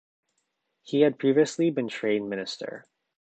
He had previously been trade minister.